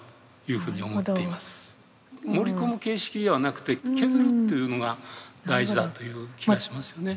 盛り込む形式ではなくて削るっていうのが大事だという気がしますよね。